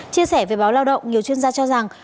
chia sẻ về báo lao động nhiều chuyên gia cho rằng